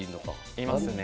いますね。